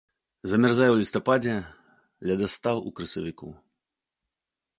Замярзае ў лістападзе, ледастаў у красавіку.